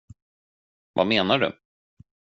Vad menar du?